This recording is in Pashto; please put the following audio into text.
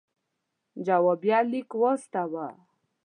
جوابیه لیک واستاوه.